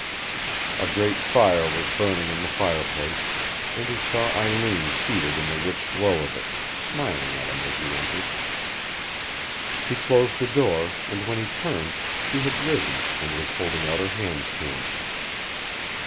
A great fire was burning in the fireplace, and he saw Eileen seated in the rich glow of it, smiling at him as he entered. He closed the door, and when he turned she had risen and was holding out her hands to him.